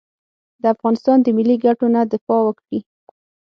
د افغانستان د ملي ګټو نه دفاع وکړي.